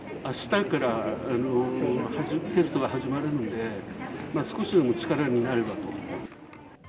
あしたからテストが始まるので、少しでも力になればと。